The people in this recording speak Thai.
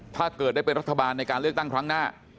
ถ้าเกิดได้เป็นรัฐบาลในการเลือกตั้งครั้งหน้า